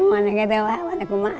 saya tidak mau ke rumah